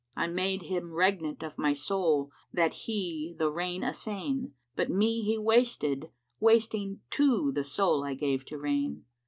I made him regnant of my soul that he the reign assain * But me he wasted wasting too the soul I gave to reign.